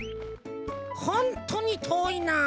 ホントにとおいなあ。